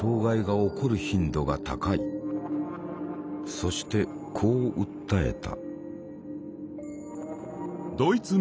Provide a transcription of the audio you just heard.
そしてこう訴えた。